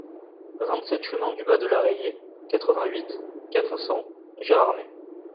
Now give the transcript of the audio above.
vingt-sept chemin du Bas de la Rayée, quatre-vingt-huit, quatre cents, Gérardmer